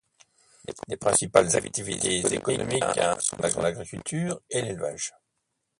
Les principales activités économiques sont l'agriculture et l'élevage.